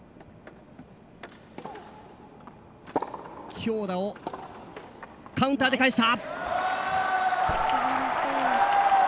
強打をカウンターで返した！